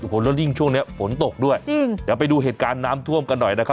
โอ้โหแล้วยิ่งช่วงนี้ฝนตกด้วยจริงเดี๋ยวไปดูเหตุการณ์น้ำท่วมกันหน่อยนะครับ